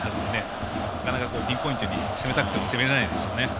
なかなか、ピンポイントに攻めたくても攻められないですよね。